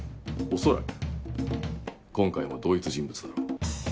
恐らく今回も同一人物だろう。